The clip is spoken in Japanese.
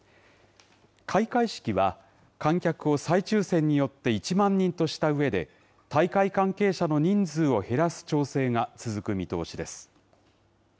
開会式は、観客を再抽せんによって１万人としたうえで、大会関係者の人数を減らす調整が続く見通しです。